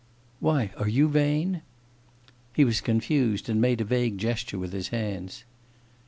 'Why, are you vain?' He was confused and made a vague gesture with his hands.